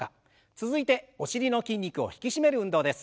続いてお尻の筋肉を引き締める運動です。